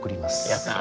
やった！